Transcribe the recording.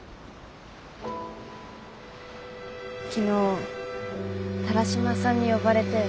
昨日田良島さんに呼ばれて。